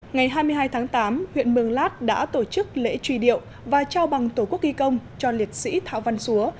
ngày hai mươi hai tháng tám huyện mường lát đã tổ chức lễ truy điệu và trao bằng tổ quốc ghi công cho liệt sĩ thảo văn xúa